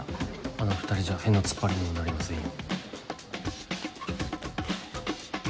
あの２人じゃ屁の突っ張りにもなりませんよ。